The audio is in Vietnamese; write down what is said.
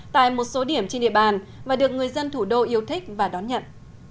tại một số điểm trên địa bàn và được người dân thủ đô yêu thích và đón nhận